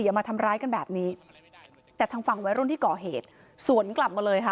อย่ามาทำร้ายกันแบบนี้แต่ทางฝั่งวัยรุ่นที่ก่อเหตุสวนกลับมาเลยค่ะ